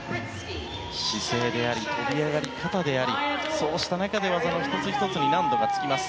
姿勢であり、跳び上がり方でありそうした中で技の１つ１つに難度がつきます。